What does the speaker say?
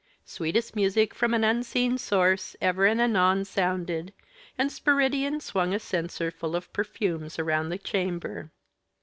Sweetest music from an unseen source ever and anon sounded, and Spiridion swung a censer full of perfumes around the chamber.